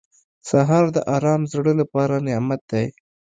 سهار د ارام زړه لپاره نعمت دی.